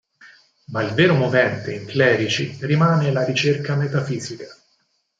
Ma il vero movente in Clerici rimane la ricerca metafisica.